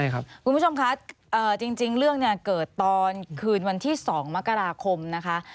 คุณผู้ชมคะจริงเรื่องเกิดตอนคืนวันที่๒มกราคมนะคะ